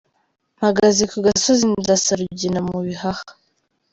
Mpagaze ku gasozi ndasa Rugina mu bihaha .